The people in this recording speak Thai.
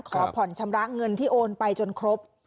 ขอผ่อนชำระเงินที่โอนไปจนครบ